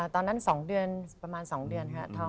ตอนนั้นสองเดือนประมาณสองเดือนครับ